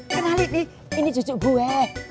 kenalin ini cucuk gue